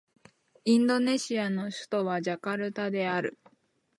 インドネシアの首都はジャカルタである